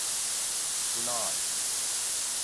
دُنائ